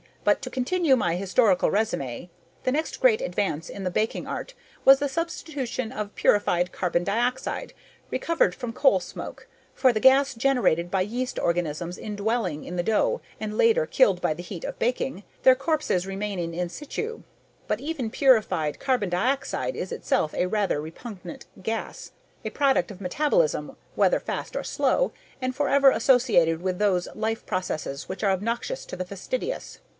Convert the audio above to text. But to continue my historical resume, the next great advance in the baking art was the substitution of purified carbon dioxide, recovered from coal smoke, for the gas generated by yeast organisms indwelling in the dough and later killed by the heat of baking, their corpses remaining in situ. But even purified carbon dioxide is itself a rather repugnant gas, a product of metabolism whether fast or slow, and forever associated with those life processes which are obnoxious to the fastidious."